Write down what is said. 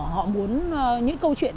họ muốn những câu chuyện